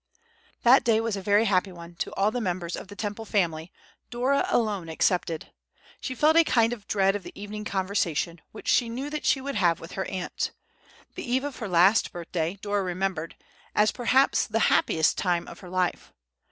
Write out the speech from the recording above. That day was a very happy one to all the members of the Temple family, Dora alone excepted. She felt a kind of dread of the evening conversation which she knew that she would have with her aunt. The eve of her last birthday Dora remembered as, perhaps, the happiest time of her life.